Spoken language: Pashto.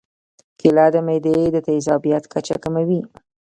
کېله د معدې د تیزابیت کچه کموي.